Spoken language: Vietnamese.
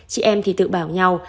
chị em thì tự bảo nhau